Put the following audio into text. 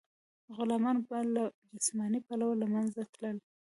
غلامان به له جسماني پلوه له منځه تلل.